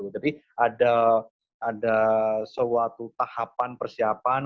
jadi ada suatu tahapan persiapan